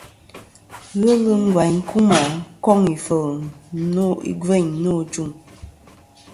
Ghelɨ ngvaynkuma koŋ ifel igveyn no.